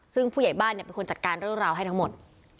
ซึ่งผู้ใหญ่บ้านเนี่ยคุณจัดการร่วมราวให้ทั้งหมด